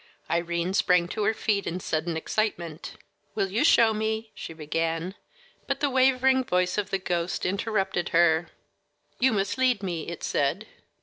Irene sprang to her feet in sudden excitement. "Will you show me " she began; but the wavering voice of the ghost interrupted her. "You must lead me," it said.